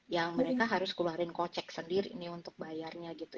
yang mereka harus keluarin kocek sendiri nih untuk bayarnya gitu